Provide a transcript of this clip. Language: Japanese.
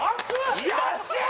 よっしゃー！！